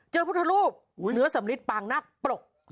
พุทธรูปเนื้อสำลิดปางนักปรก